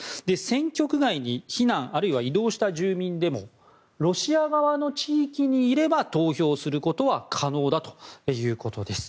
選挙区外に避難あるいは移動した住民でもロシア側の地域にいれば投票することは可能だということです。